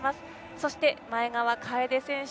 そして、前川楓選手。